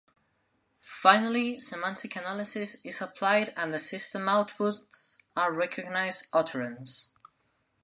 Finally, semantic analysis is applied and the system outputs the recognized utterance.